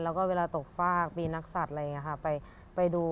แล้วก็เวลาตกฟากมีนักสัตว์อะไรอย่างนี้ค่ะไปดู